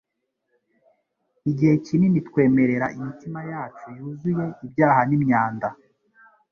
igihe kinini twemerera imitima yacu yuzuye ibyaha n'imyanda